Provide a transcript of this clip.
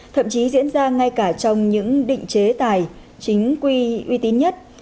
thậm chí diễn ra ngay cả trong những định chế tài chính quy uy tín nhất